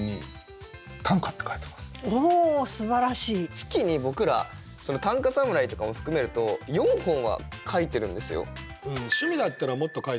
月に僕ら短歌侍とかも含めると４本は書いてるんですよ？